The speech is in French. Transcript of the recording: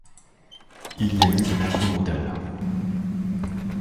Il y a eu de nombreux modèles.